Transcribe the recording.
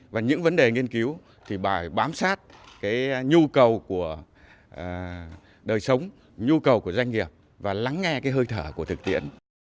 và những vấn đề nghiên cứu thì phải bám sát cái nhu cầu của đời sống nhu cầu của doanh nghiệp và lắng nghe hơi thở của thực tiễn